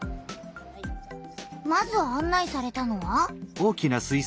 まずあんないされたのは。